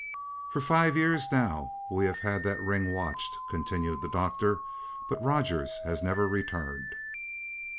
"For five years now we have had the ring watched," continued the Doctor, "but Rogers has never returned."